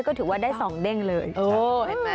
ก็ถืัวว่าเลยโอ้ย